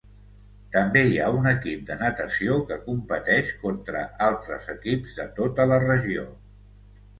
També hi ha un equip de natació que competeix contra altres equips de tota la regió.